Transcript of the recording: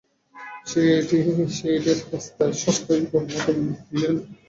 সে এটি সস্তায় মাত্র তিন মিলিয়নের জন্য বিক্রি করার চেষ্টা করছে।